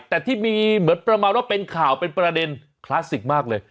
แต่ที่มีเหมือนประมาณว่าเป็นข่าวเป็นประเด็นคลาสสิกมากเลย